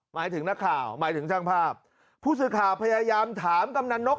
หมายถึงนักข่าวหมายถึงช่างภาพผู้สื่อข่าวพยายามถามกำนันนก